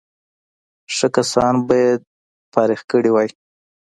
ښه کسان به یې فارغ کړي وای.